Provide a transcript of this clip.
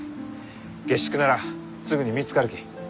下宿ならすぐに見つかるき。